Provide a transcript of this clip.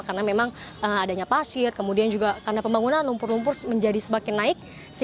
karena memang adanya pasir kemudian juga karena pembangunan lumpur lumpur menjadi semakin naik